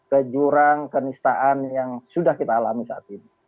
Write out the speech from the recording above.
ke jurang kenistaan yang sudah kita alami saat ini